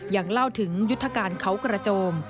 ยังเล่าถึงยุทธการเขากระโจม